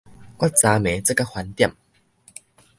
我昨暝做甲翻點